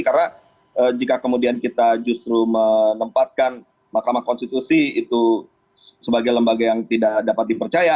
karena jika kemudian kita justru menempatkan makamah konstitusi itu sebagai lembaga yang tidak dapat dipercaya